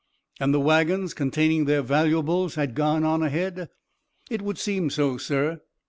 "And the wagons containing their valuables had gone on ahead?" "It would seem so, sir."